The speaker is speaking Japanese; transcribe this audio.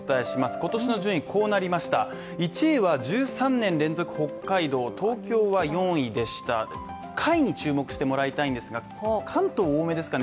今年の順位こうなりました１位は１３年連続北海道東京は４位でした下位に注目してもらいたいんですが、もう関東多めですかね